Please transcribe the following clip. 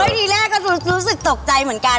ไม่ทีแรกก็สงสัยตกใจเหมือนกัน